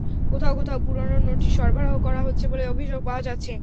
কোথাও কোথাও পুরোনো নোটই সরবরাহ করা হচ্ছে বলে অভিযোগ পাওয়া যাচ্ছে।